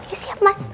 oh siap mas